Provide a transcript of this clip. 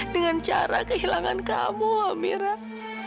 dengan cara kehilangan kamu mira